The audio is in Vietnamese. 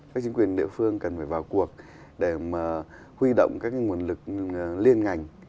các chính quyền địa phương cần phải vào cuộc để mà huy động các nguồn lực liên ngành